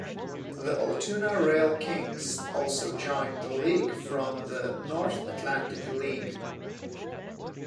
The Altoona Rail Kings also joined the league from the North Atlantic League.